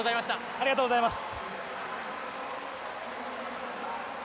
ありがとうございます。